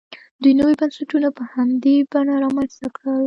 دوی نوي بنسټونه په همدې بڼه رامنځته کړل.